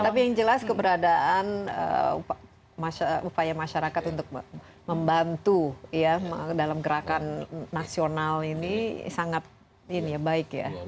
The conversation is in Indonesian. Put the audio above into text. tapi yang jelas keberadaan upaya masyarakat untuk membantu ya dalam gerakan nasional ini sangat baik ya